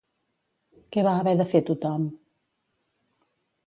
Què va haver de fer tothom?